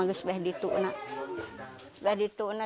jepang itu masih diberi